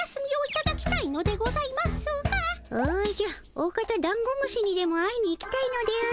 おおかたダンゴムシにでも会いに行きたいのであろ？